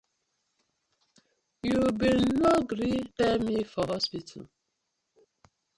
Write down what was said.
Yu been no gree tell me for hospital.